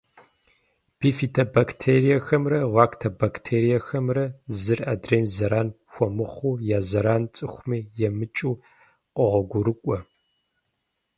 Бифидобактериехэмрэ лактобактериехэмрэ зыр адрейм зэран хуэмыхъуу, я зэран цӏыхуми емыкӏыу къогъуэгурыкӏуэ.